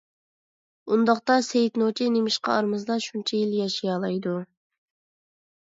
ئۇنداقتا سېيىت نوچى نېمىشقا ئارىمىزدا شۇنچە يىل ياشىيالايدۇ؟